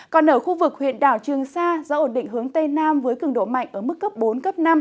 còn ở khu vực huyện đảo trường sa gió ổn định hướng tây nam với cường độ mạnh ở mức cấp bốn cấp năm